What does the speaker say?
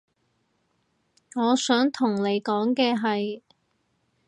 我係想同你講嘅係